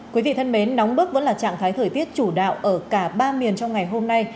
quý vị thân mến nóng bức vẫn là trạng thái thời tiết chủ đạo ở cả ba miền trong ngày hôm nay